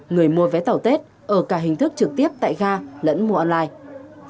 người mua vé tàu tết ở cả hình thức trực tiếp tại ga lẫn mua online